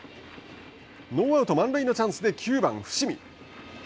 ノーアウト満塁のチャンスで９番伏見。